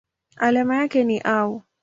Alama yake ni Au.